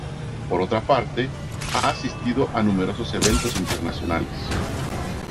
Por otra parte, ha asistido a numerosos eventos internacionales.